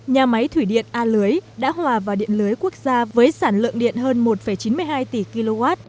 nhà máy thủy điện a lưới đã hòa vào điện lưới quốc gia với sản lượng điện hơn một chín mươi hai tỷ kw